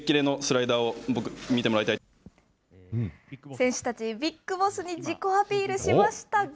選手たち、ビッグボスに自己アピールしましたが。